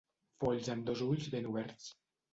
Folls amb dos ulls ben oberts.